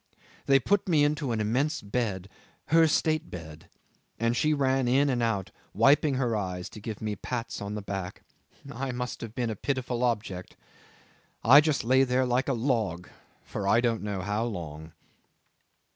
They put me into an immense bed her state bed and she ran in and out wiping her eyes to give me pats on the back. I must have been a pitiful object. I just lay there like a log for I don't know how long."